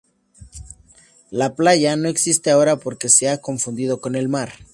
La playa no existe ahora porque se ha confundido con el mar.